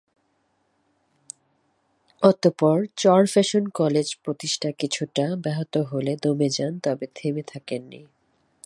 অতঃপর চরফ্যাশন কলেজ প্রতিষ্ঠা কিছুটা ব্যাহত হলে দমে যান, তবে থেমে থাকেন নি।